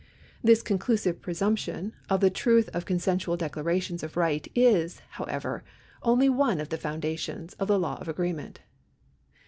This conclusive presumption of the truth of consensual declarations of right is, however, only one of the foundations of the law of agreement.